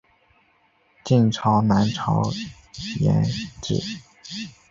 晋朝南朝沿置。